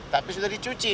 tapi sudah dicuci